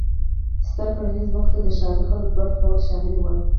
ستر کرنیزو ځمکو ته د ښاري خلکو کډه کول شامل و.